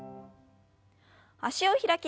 脚を開きます。